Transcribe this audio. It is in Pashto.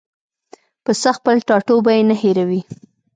پسه خپل ټاټوبی نه هېروي.